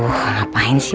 aduh ngapain sih